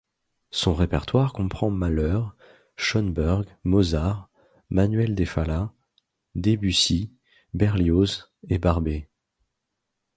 Son répertoire comprend Mahler, Schoenberg, Mozart, Manuel de Falla, Debussy, Berlioz et Barber.